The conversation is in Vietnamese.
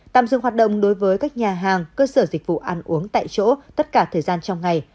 tạm dừng hoạt động đối với các nhà hàng cơ sở dịch vụ ăn uống tại chỗ tất cả thời gian trong ngày